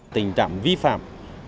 tình trạm vi phạm